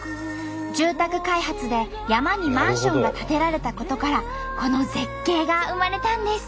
住宅開発で山にマンションが建てられたことからこの絶景が生まれたんです。